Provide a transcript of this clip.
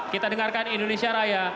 kita dengarkan indonesia raya